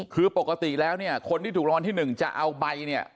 คือปกติแล้วเนี่ยคนที่ถูกรางวัลที่๑จะเอาใบเนี่ย